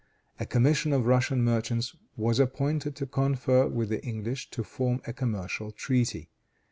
A commission of Russian merchants was appointed to confer with the English to form a commercial treaty.